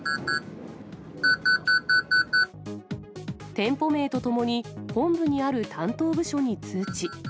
店舗名とともに、本部にある担当部署に通知。